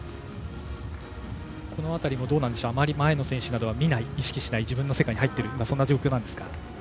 この辺りもあまり前の選手などは見ない、意識しない自分の世界に入っているような状況なんですか？